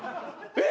「えっ！？」